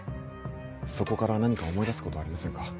そこから何か思い出すことはありませんか？